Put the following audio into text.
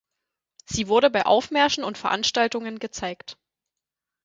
Sie wurde bei Aufmärschen und Veranstaltungen gezeigt.